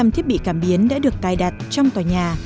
hai tám trăm linh thiết bị cảm biến đã được tài đặt trong tòa nhà